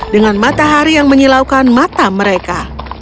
dengan matahari yang menyilaukan mata mereka